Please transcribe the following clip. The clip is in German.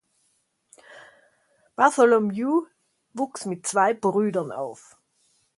Bartholomew wuchs mit zwei Brüdern auf.